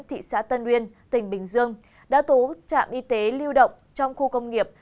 thị xã tân nguyên tỉnh bình dương đã tố trạm y tế lưu động trong khu công nghiệp